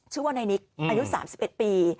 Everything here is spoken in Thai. ชื่อว่านายนิกอายุ๓๑ปี